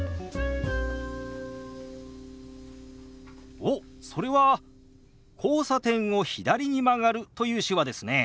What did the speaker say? おっそれは「交差点を左に曲がる」という手話ですね。